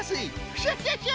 クシャシャシャ！